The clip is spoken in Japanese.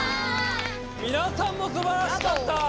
みなさんもすばらしかった！